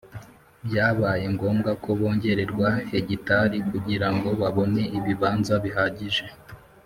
Byabaye ngombwa ko bongererwa hegitali kugira ngo babonemo ibibanza bihagije